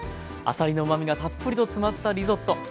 あさりのうまみがたっぷりと詰まったリゾット。